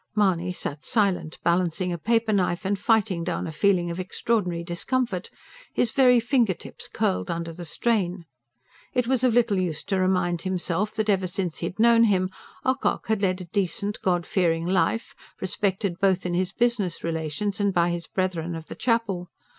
Mahony sat silent, balancing a paper knife, and fighting down a feeling of extraordinary discomfort his very finger tips curled under the strain. It was of little use to remind himself that, ever since he had known him, Ocock had led a decent, God fearing life, respected both in his business relations and by his brethren of the chapel.